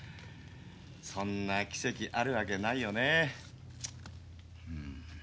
そんな奇跡あるわけないよね。